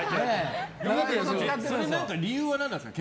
理由は何なんですか？